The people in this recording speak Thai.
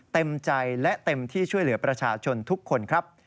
เต็มใจและเต็มที่ช่วยเหลือประชาชนทุกคนครับ